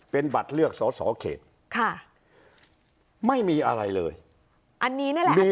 เป็นบัตรเลือกสอสอเขตค่ะไม่มีอะไรเลยอันนี้นี่แหละอันนี้